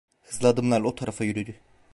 Hızlı adımlarla o tarafa yürüdü.